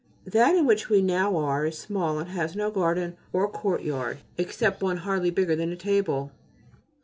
That in which we now are is small and has no garden or courtyard except one hardly bigger than a table.